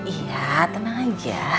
iya tenang aja